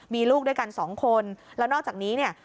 มีลูกด้วยกันสองคนแล้วนอกจากนี้เนี่ย